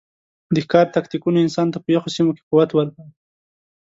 د ښکار تکتیکونو انسان ته په یخو سیمو کې قوت ورکړ.